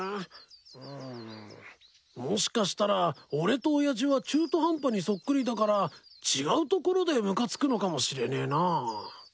うんもしかしたら俺と親父は中途半端にそっくりだから違うところでムカつくのかもしれねえな。